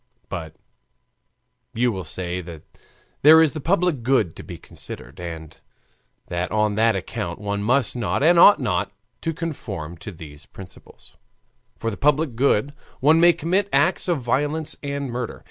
But you will say that there is the public good to be considered, and that on that account one must not and ought not to conform to these principles; for the public good one may commit acts of violence and murder.